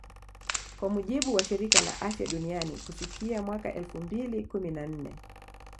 Kwa mujibu wa Shirika la Afya Duniani kufikia mwaka elfu mbili kumi na nne